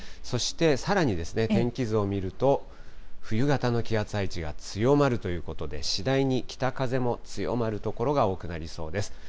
そしてさらに、天気図を見ると冬型の気圧配置が強まるということで、次第に北風も強まる所が多くなりそうです。